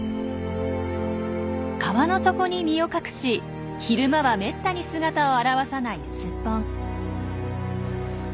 川の底に身を隠し昼間はめったに姿を現さないスッポン。